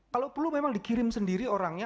kalau perlu memang dikirim sendiri orangnya